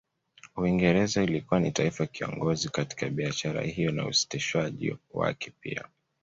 Uingereza ilikuwa ni taifa kiongozi katika biashara hiyo na usitishwaji wake pia